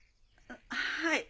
はい。